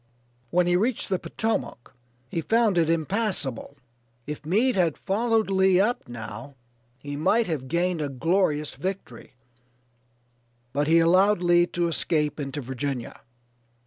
When he reached the Potomac he found it impassable. If Meade had followed Lee up now he might have gained a glorious victory, but he allowed Lee to escape into Virginia.